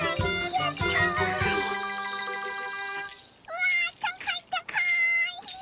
うわたかいたかい！